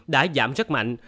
đã giảm rất mạnh